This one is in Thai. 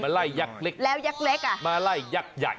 มาไล่ยักษ์เล็กมาไล่ยักษ์ใหญ่